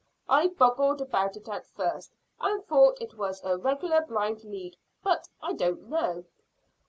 I boggled about it at first, and thought it was a regular blind lead. But I don't now.